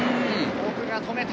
奥が止めた！